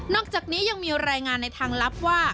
อกจากนี้ยังมีรายงานในทางลับว่า